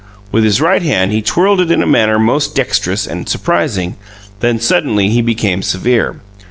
With his right hand he twirled it in a manner most dexterous and surprising; then suddenly he became severe.